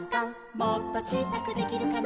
「もっとちいさくできるかな」